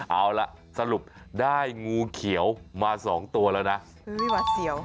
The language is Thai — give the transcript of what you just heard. เอาละสรุปได้งูเขียวมา๒ตัวแล้วนะ